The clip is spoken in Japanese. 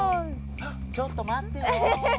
ちょっと待ってよ。